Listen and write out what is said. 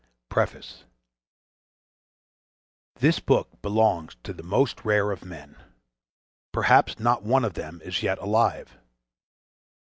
PREFACE This book belongs to the most rare of men. Perhaps not one of them is yet alive.